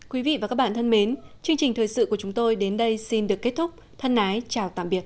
quý vị và các bạn thân mến chương trình thời sự của chúng tôi đến đây xin được kết thúc thân ái chào tạm biệt